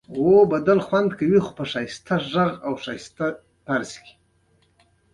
هغو کسانو د سوداګريزو فعاليتونو په انحصارولو سره نرخونه پورته کول.